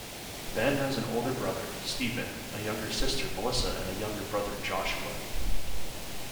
Benn has an older brother, Stephen, a younger sister Melissa and younger brother, Joshua.